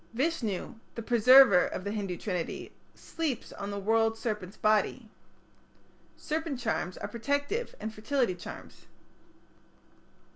Vishnu, the Preserver of the Hindu Trinity, sleeps on the world serpent's body. Serpent charms are protective and fertility charms.